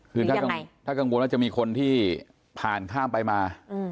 คือถ้ากังวลว่าจะมีคนที่ผ่านข้ามไปมา